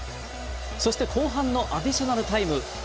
そして後半のアディショナルタイム。